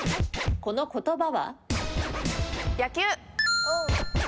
この言葉は？